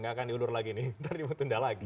gak akan diundur lagi nih nanti dibutuhin dah lagi